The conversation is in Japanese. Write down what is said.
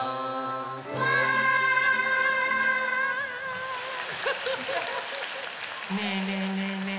「ふわー」ねえねえねえねえ。